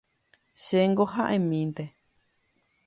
Chéngo ha'emínte